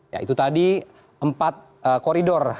ya itu tadi empat koridor